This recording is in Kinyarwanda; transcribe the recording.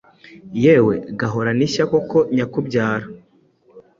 Yewe, gahorane ishya koko nyakubyara